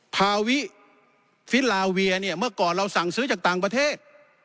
ภาวิฟิลาเวียเนี่ยเมื่อก่อนเราสั่งซื้อจากต่างประเทศ